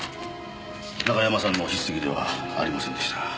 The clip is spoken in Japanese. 中山さんの筆跡ではありませんでした。